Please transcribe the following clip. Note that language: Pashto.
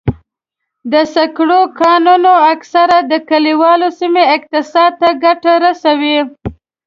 د سکرو کانونه اکثراً د کلیوالو سیمو اقتصاد ته ګټه رسوي.